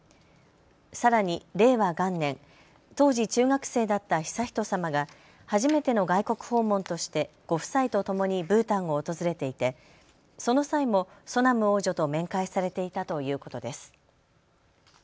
さらに令和元年、当時中学生だった悠仁さまが初めての外国訪問としてご夫妻とともにブータンを訪れていてその際もソナム王女と面会されていたということです。